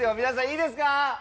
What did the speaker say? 皆さんいいですか？